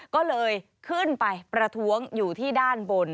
ก็เลยขึ้นไปประท้วงอยู่ที่ด้านบน